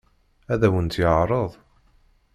Ad awen-tt-yeɛṛeḍ?